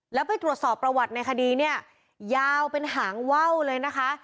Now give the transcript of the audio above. แล้วไปตรวจสอบประวัติในคดีเนี่ยยาวเป็นหางว่าวเลยนะคะ